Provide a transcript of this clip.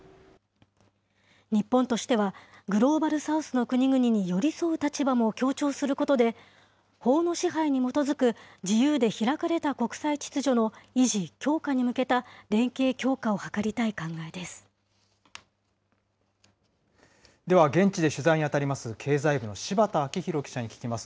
日本としてはグローバル・サウスの国々に寄り添う立場も強調することで、法の支配に基づく自由で開かれた国際秩序の維持・強化に向けた連では、現地で取材に当たります経済部の柴田明宏記者に聞きます。